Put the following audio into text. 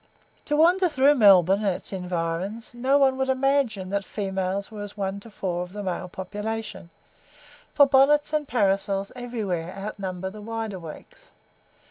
To wander through Melbourne and its environs, no one would imagine that females were as one to four of the male population; for bonnets and parasols everywhere outnumber the wide awakes.